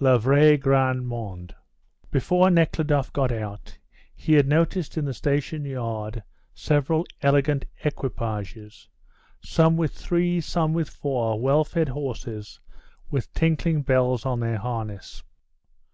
LE VRAI GRAND MONDE. Before Nekhludoff got out he had noticed in the station yard several elegant equipages, some with three, some with four, well fed horses, with tinkling bells on their harness.